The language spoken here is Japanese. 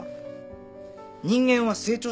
人間は成長します。